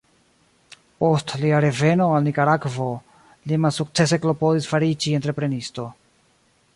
Post lia reveno al Nikaragvo li malsukcese klopodis fariĝi entreprenisto.